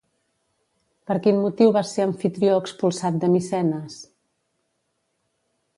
Per quin motiu va ser Amfitrió expulsat de Micenes?